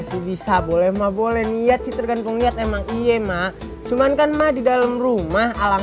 sih bisa boleh mabole lihat tergantung lihat emang iya emak cuman kan ma di dalam rumah alang